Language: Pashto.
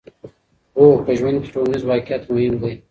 هو، په ژوند کې ټولنیز واقعیت مهم دی.